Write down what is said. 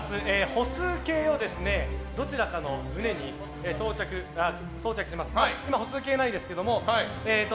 歩数計をどちらかの胸に装着します。